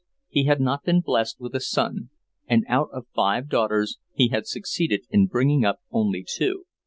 He had not been blessed with a son, and out of five daughters he had succeeded in bringing up only two.